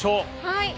はい。